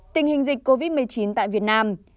tình hình dịch covid một mươi chín tại việt nam